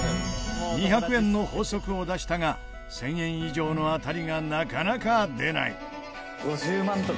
２００円の法則を出したが１０００円以上の当たりがなかなか出ない。